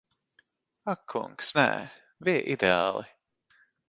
Ak kungs, nē. Bija ideāli.